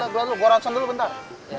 gue ransel dulu bentar